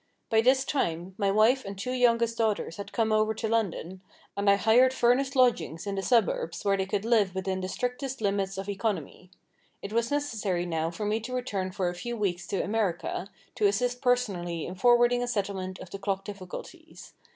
By this time, my wife and two youngest daughters had come over to London, and I hired furnished lodgings in the suburbs where they could live within the strictest limits of economy. It was necessary now for me to return for a few weeks to America, to assist personally in forwarding a settlement of the clock difficulties.